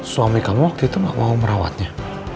suami kamu waktu itu gak mau merawatnya